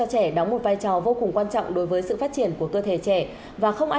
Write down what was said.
thay vì bổ sung đường